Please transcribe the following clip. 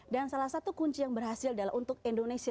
dan salah satu kunci yang berhasil adalah untuk indonesia